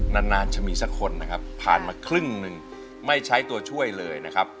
นานนานจะมีสักคนนะครับผ่านมาครึ่งหนึ่งไม่ใช้ตัวช่วยเลยนะครับ